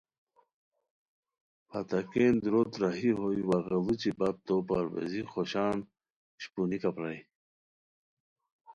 پھتاکین دُوروت راہی ہوئے وا غیڑوچی بپ تو پرویزی خوشان اشپونیکہ پرائے